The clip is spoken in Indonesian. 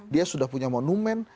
dia sudah punya monumen